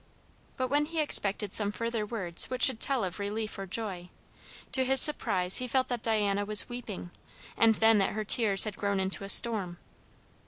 But when he expected some further words which should tell of relief or joy, to his surprise he felt that Diana was weeping, and then that her tears had grown into a storm.